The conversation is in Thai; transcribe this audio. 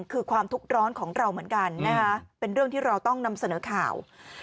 คือความทุกข์ร้อนของเราเหมือนกันนะคะเป็นเรื่องที่เราต้องนำเสนอข่าว